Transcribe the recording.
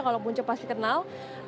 kalau punce pasti kenal